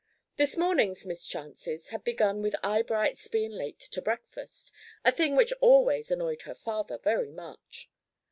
The morning's mischances had begun with Eyebright's being late to breakfast; a thing which always annoyed her father very much.